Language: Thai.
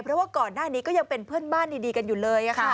เพราะว่าก่อนหน้านี้ก็ยังเป็นเพื่อนบ้านดีกันอยู่เลย